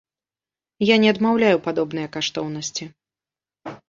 Я не адмаўляю падобныя каштоўнасці.